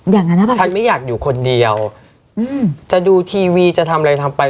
อย่างนั้นหรือเปล่าฉันไม่อยากอยู่คนเดียวอืมจะดูทีวีจะทำอะไรทำไป